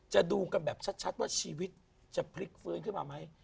ดูกันแบบชัดว่าชีวิตจะพลิกฟื้นขึ้นมาไหม